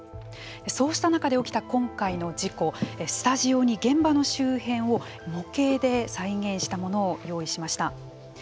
そうした中で起きた今回の事故スタジオに現場の周辺を模型で再現したものを用意しました。